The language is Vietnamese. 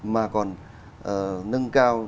mà còn nâng cao